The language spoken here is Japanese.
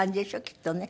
きっとね。